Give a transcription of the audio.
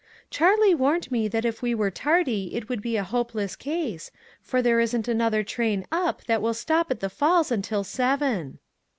"Charlie warned me that if we were tardy, it would be a hopeless case, for there isn't another train up that will stop at the falls until seven."